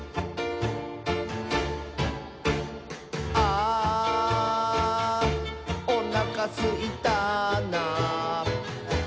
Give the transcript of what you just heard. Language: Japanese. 「あーおなかすいたな」